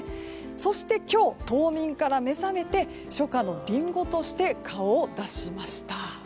そして今日、冬眠から目覚めて初夏のリンゴとして顔を出しました。